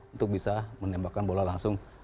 untuk bisa menembakkan bola langsung